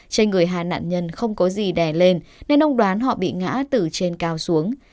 trên người hà nạn nhân không có gì đè lên nên ông đoán họ bị ngã từ trên cao xuống